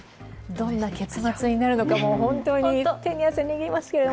どんな結末になるのか、本当に手に汗握りますけれども。